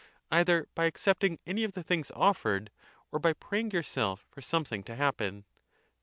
either by accepting any of the things offered, or by praying yourself for something to happen